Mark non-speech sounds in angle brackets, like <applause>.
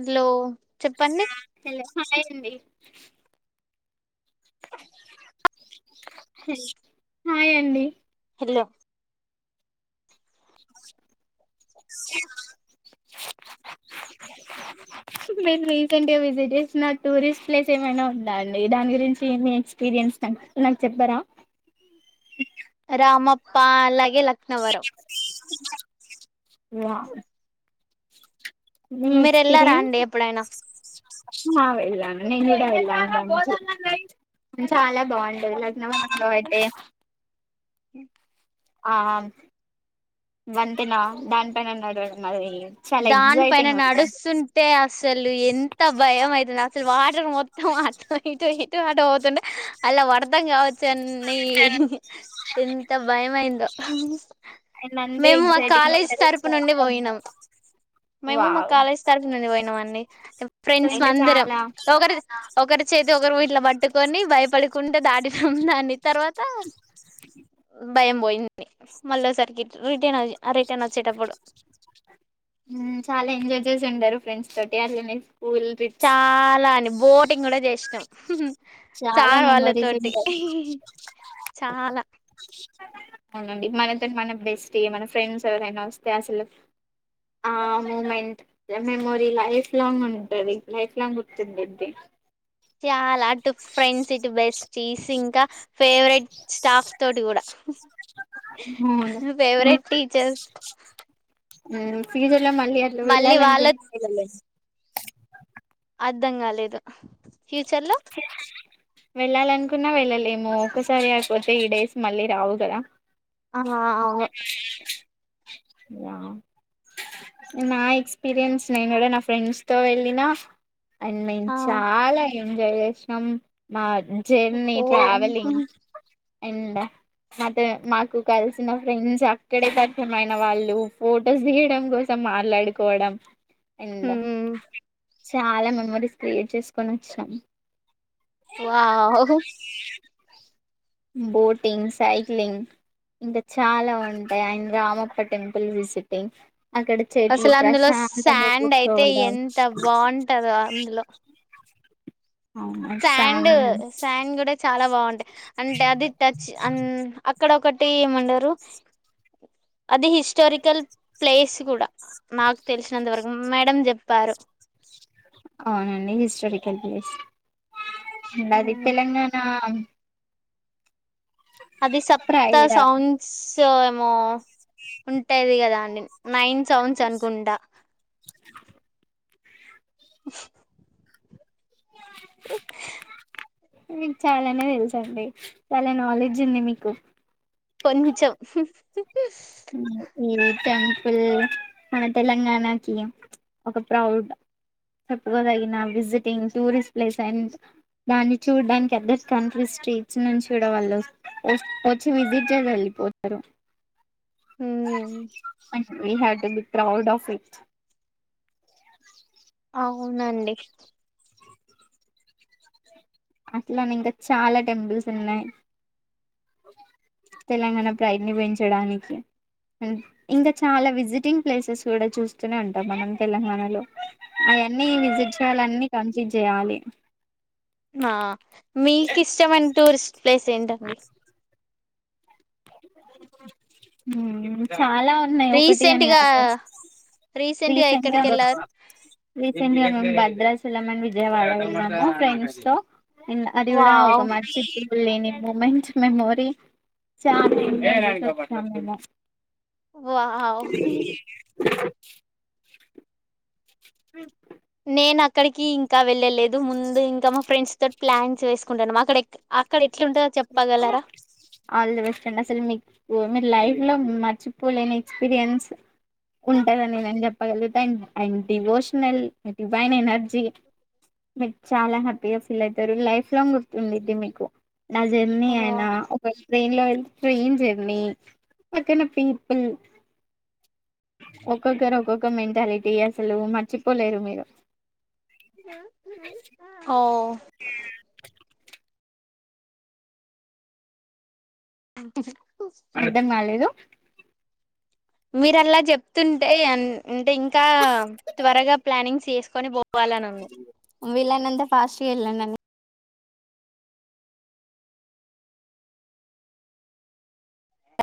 hello చెప్పండి హ చెల్లె కట్ అయింది హాయండి హాలో మీరు రీసెంట్ గా విజిట్ చేసిన టూరిస్ట్ ప్లేస్ ఏమైనా ఉందా అండి దాని గురించి మీ ఎక్స్పీరియన్స్ తన్ నాకు చెప్పరా రామప్ప అలాగే లక్నవరం వాదే మీ మీరు ఎల్లారా ఎక్స్పీరియన్స్ అండి ఎప్పుడైనా ఫస్ట్ మా వెళ్ళను నేను గుడ వెళ్ళను లంచు చాలా బాగుంటది లక్నవరం లో అయితే ఇ ఆ వంతేనా దానిపైన నడవడం అది చాలా దాని పైన ఎగ్జైటింగ్ ఉంటుంది నడుస్తుంటే అసలు ఎంత భయం అయితది అసలు వాటర్ మొత్తం అ అటు ఇటు ఇటు ఆటు పోతుండే అళ్ళ వడతం కావచ్చు అని నీ ఎంత భయమైందో అండ్ అంతే మేము మా ఎగ్జైటింగ్ కాలేజ్ ఉంటది తరపు నుండి చాలా పోయినాం మేము మా వావ్ కాలేజ్ తరపునుండి పోయినం అండి సో ఫ్రెండ్స్ ఇంకా అందరం చాలా ఒకరి ఒకరి చేతి ఒకరు ఓయి ఇట్ల పట్టుకొని భయపడుకుంట దాటినం దాని తర్వాత భయం పోయిన్ ఉంది మళ్ళసరికి రిటర్న్ రిటర్న్ వచ్చేటప్పుడు ఊ చాలా ఎంజాయ్ చేసి ఉండారు ఫ్రెండ్స్ తోటి అట్లనే స్కూల్ ట్రిప్స్ చాలా అని బోటింగ్ కూడా చేసినం చాలా చార్ వాళ్ళ మెమోరీస్ తోటి ఉంటాయి చాలా అవునండి మనతో మన బెస్టీ మన ఫ్రెండ్స్ ఎవరైనా వస్తే అసలు ఆ మూమెంట్ మెమోరీ లైఫ్ లాంగ్ ఉంటది లైఫ్ లాంగ్ గుర్తుంటుది చాలా అటు ఫ్రెండ్స్ ఇట్ బెస్టీస్ ఇంకా ఫేవరెట్ స్టాఫ్ తోటి కూడా అవును ఊ ఫేవరెట్ టీచర్స్ ఊ ఫ్యూచర్ ల మళ్ళీ అట్ల మళ్ళీ వాళ్ళ వెళ్లలనుకున్నా వెళ్లలేమ్ అర్ధం కాలేదు ఫ్యూచర్ లో వెళ్ళాలనుకున్నా వెళ్ళలేము ఒక్కసారి అయిపోతే ఈ డేస్ మళ్ళీ రావు కదా హా అవు యా నా ఎక్స్పీరియన్స్ నేను కూడ నా ఫ్రెండ్స్ తో వెళ్ళిన అండ్ మేం ఆ చాలా ఎంజాయ్ చేసినాం మాద్ జర్నీ ఓ ట్రావెలింగ్ అండ్ మాతో మాకు కలిసిన ఫ్రెండ్స్ అక్కడే పరిచయం అయ్ న వాళ్ళు ఫొటోస్ తీయడం కోసం మాట్లాడుకోవడం అండ్ చాలా మెమోరీస్ క్రియేట్ చేసుకొని వచ్చాం వావ్ బోటింగ్ సైక్లింగ్ ఇంకా చాలా ఉంటాయి అండ్ రామం ఇక టెంపుల్ విసిటింగ్ అక్కడ చెట్లు అసలు అందులో ప్రశాంతంగా శాండ్ అయితే కూర్చోవడం ఎంత బాగుంటదో అవును సాండు సామి సాండ్ కూడా చాలా బాగుంటాయి అంటే అది టచ్ అన్ అక్కడ ఒకటి ఏమంటరు అది హిస్టారికల్ ప్లేస్ కూడా నాకు తెలిసినంతవరకు మేడం చెప్ ప్పారు అవునండి హిస్టారికల్ ప్లేస్ అండ్ అది తెలంగాణ అది సప్త ఫ్రైడా సౌండ్స్ ఏమో ఉంటది కదా అండి నైన్ సౌండ్స్ అనుకుంటా <inaudible> మీకు చాలానే తెలుసు అండి చాలా నాలెడ్జ్ ఉంది మీకు కొంచెం ఉమ్ టెంపుల్ మన తెలంగాణకి ఒక ప్రౌడ్ చెప్పుకోదగిన విజిటింగ్ టూరిస్ట్ ప్లేస్ అండ్ దాన్ని చూడడానికి ఆథర్ కంట్రీస్ స్ట్రీట్స్ నుంచి కూడా వాళ్ళు వచ్చి విజిట్ చేసి వెళ్ళిపోతారు హ వె have to be proud of it అవునండి అట్లానే ఇంకా చాలా టెంపుల్స్ ఉన్నాయి తెలంగాణ ప్రైడ్ నీ పెంచడానికి ఇంకా చాలా విజిటింగ్ ప్లేసెస్ కూడా చూస్తూనే ఉంటాం మనం తెలంగాణలో ఇవన్నీ విజిట్ చేయాలిన్న కన్సలీట్ చేయాలి ఆ మీకు ఇష్టమైన టూరిస్ట్ ప్లేస్ ఏంటండి చాలా ఉన్నాయి ఒకటి రీసెంట్ అని గా అ రీసెంట్ గా రీసెంట్గా ఎక్కడికి వెళ్ళారు రీసెంట్గా బద్రాస్ టెలిగనా, విజయవాడ వెళ్ ఫ్రెండ్సో అది కూడా అండ్ వావ్ ఆది కూడా ని మూమెంట్ మెమోరీ చాలా వావ్ <inaudible> అ నేను అక్కడికి ఇంకా వెళ్ళలేదు ముందు ఇంకా మా ఫ్రెండ్స్ తోటి ప్లాన్స్ వేసుకుంటాన్నాం అక్కడ అక్కడ ఎట్లుంటదో చెప్పగలరా ఆల్ ద బెస్ట్ స్టాండ్ అసలు మీకు మీ లైవ్ లో మర్చిపోలేని ఎక్స్పీరియన్స్ ఉంటదని నేను చెప్పగలుగుతా యి డివోషనల్ దేవైన్ ఎనర్జీ మీ చాలా హ్యాపీగా ఫీల్ అయితారు లైఫ్ లాంగ్ గుర్తుంది మీకు నా జర్నీ అయన ఒకళ ట్రైన్ లో వెళ్ళ ట్రెయిన్ జెర్నీ అక్కన పీపుల్ ఒక్కొక్కరు ఒక్కొక్క మెంటాలిటీ అసలు మర్చిపోలేరు మీరు ఓ <inaudible> అంటే అర్ధం కాలేదు మీరు అలా చెప్తుంటేయి అంటే ఇంకా ఇంకా త్వరగా ప్లానింగ్స్ చేసుకొని పోవాలని ఉంది వీళ్ళైనంతా ఫాస్టుగా వెళ్ళండిని